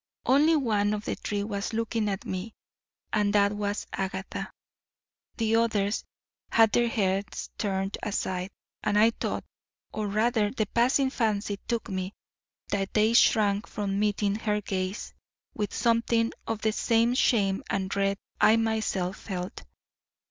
Only one of the three was looking at me, and that was Agatha. The others had their heads turned aside, and I thought, or rather the passing fancy took me, that they shrank from meeting her gaze with something of the same shame and dread I myself felt.